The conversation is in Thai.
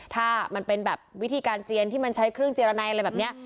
ถ้ามันเป็นแบบวิธีการเจียนที่มันใช้เครื่องเจรนัยอะไรแบบนี้